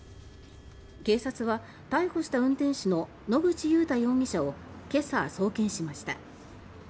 警察は、逮捕した運転手の野口祐太容疑者を今朝、送検しました。